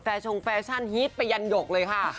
แฟชั่งฟาชั่นฮีตไปยันดกเลยค่ะ